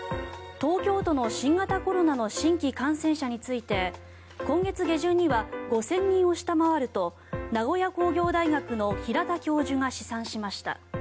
東京都の新型コロナの新規感染者について今月下旬には５０００人を下回ると名古屋工業大学の平田教授が試算しました。